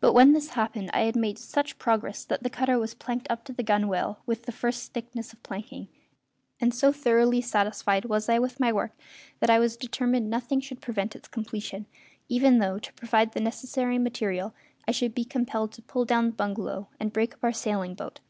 But when this happened I had made such progress that the cutter was planked up to the gunwale with the first thickness of planking; and so thoroughly satisfied was I with my work that I was determined nothing should prevent its completion, even though, to provide the necessary material, I should be compelled to pull down the bungalow and break up our sailing boat.